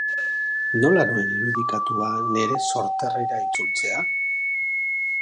Nola nuen irudikatua nire sorterrira itzultzea?